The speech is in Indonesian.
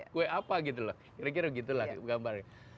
kue apa kira kira gitu lah gambarnya